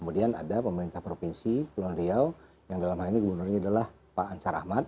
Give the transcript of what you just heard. kemudian ada pemerintah provinsi pulau nriau yang dalam hal ini gubernurnya adalah pak ansar ahmad